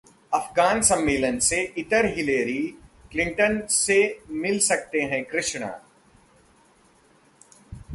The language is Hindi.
अफगान सम्मेलन से इतर हिलेरी क्लिंटन से मिल सकते हैं कृष्णा